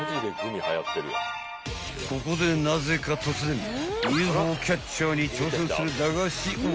［ここでなぜか突然ＵＦＯキャッチャーに挑戦する駄菓子王］